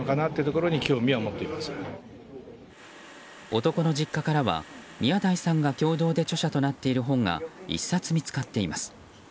男の実家からは宮台さんが共同で著者となっている本が１冊見つかっています。